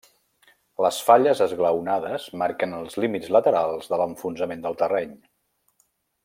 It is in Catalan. Les falles esglaonades marquen els límits laterals de l'enfonsament del terreny.